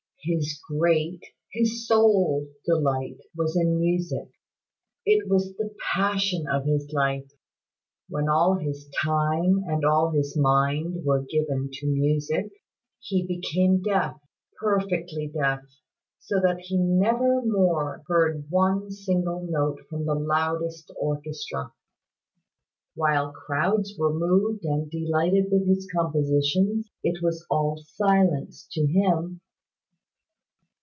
His great, his sole delight was in music. It was the passion of his life. When all his time and all his mind were given to music, he became deaf perfectly deaf; so that he never more heard one single note from the loudest orchestra. While crowds were moved and delighted with his compositions, it was all silence to him."